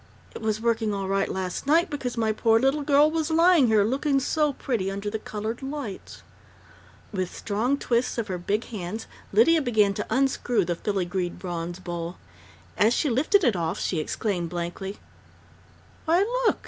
It was working all right last night, because my poor little girl was lying there, looking so pretty under the colored lights " With strong twists of her big hands Lydia began to unscrew the filigreed bronze bowl. As she lifted it off she exclaimed blankly: "Why, look!